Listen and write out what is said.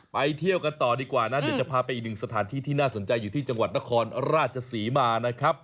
ไปเที่ยวกันต่อดีกว่านะเดี๋ยวจะพาไปอีกหนึ่งสถานที่ที่น่าสนใจอยู่ที่จังหวัดนครราชศรีมานะครับ